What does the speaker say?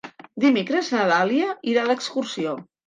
Dimecres na Dàlia irà d'excursió.